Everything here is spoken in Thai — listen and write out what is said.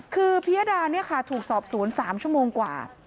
คือพิยดาเนี่ยค่ะถูกสอบศูนย์๓ชั่วโมงกว่า